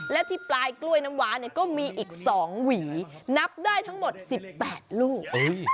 และที่ปลายกล้วยน้ำว้าเนี่ยก็มีอีก๒หวีนับได้ทั้งหมด๑๘ลูก